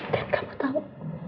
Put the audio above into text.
dan kamu tau